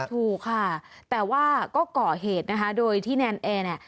ถูกค่ะแต่ว่าก็ก่อเหตุนะคะโดยที่แนนแอร์เนี่ย